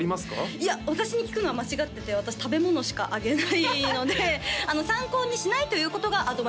いや私に聞くのは間違ってて私食べ物しか上げないので参考にしないということがアドバイスです